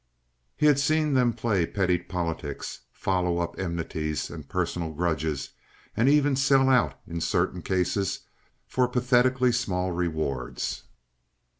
He had seen them play petty politics, follow up enmities and personal grudges, and even sell out, in certain cases, for pathetically small rewards.